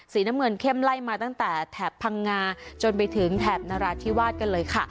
น้ำเงินเข้มไล่มาตั้งแต่แถบพังงาจนไปถึงแถบนราธิวาสกันเลยค่ะ